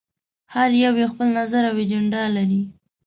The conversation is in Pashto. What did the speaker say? هر يو یې خپل نظر او اجنډا لري.